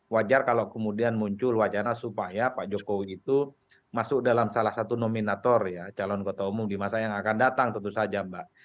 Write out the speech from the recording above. wajar kalau kemudian muncul wacana supaya pak jokowi itu masuk dalam salah satu nominator calon kota umum di masa yang akan datang tentu saja mbak